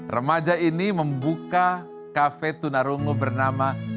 remaja ini membuka kafe tunarungu bernama